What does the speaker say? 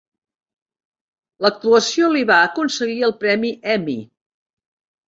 L'actuació li va aconseguir el premi Emmy.